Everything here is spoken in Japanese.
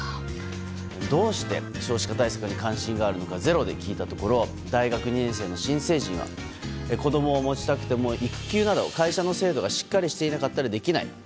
どうして少子化対策に関心があるのか「ｚｅｒｏ」で聞いたところ大学２年生の新成人は子供を持ちたくても育休など会社の制度がしっかりしていなかったらできない。